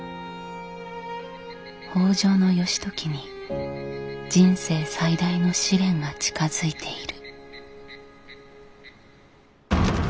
北条義時に人生最大の試練が近づいている。